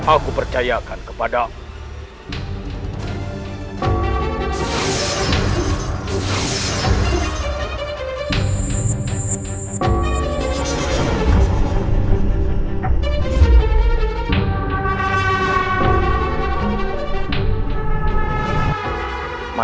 aku percayakan kepadamu